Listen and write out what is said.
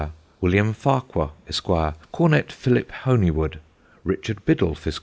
William Farquhar, Esq., Cornet Philip Honywood, Richard Biddulph, Esq.